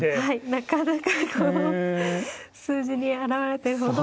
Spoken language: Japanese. なかなかこう数字に表れてるほど。